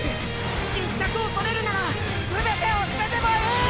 １着を獲れるなら全てを捨ててもいい！